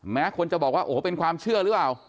แม้คนจะบอกว่าโอ้โหเป็นความเชื่อหรือเปล่า